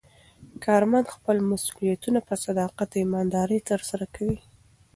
کارمند خپل مسوولیتونه په صداقت او ایماندارۍ ترسره کوي